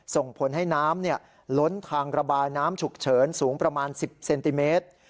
ส่งผลให้น้ำล้นทางระบายน้ำฉุกเฉินสูงประมาณ๑๐เซนติเมตร